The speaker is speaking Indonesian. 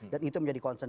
dan itu menjadi concern